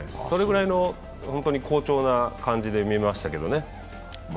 それぐらいの本当に好調な感じに見えましたけどね。